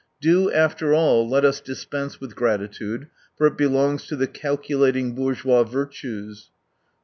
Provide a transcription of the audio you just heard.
Do after all let us dispense with gratitude, for it belongs to the calculating, bourgeois virtues.